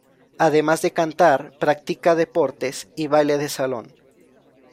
Además de cantar practica deportes y baile de salón.